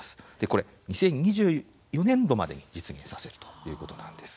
これ、２０２４年度までに実現させるということなんです。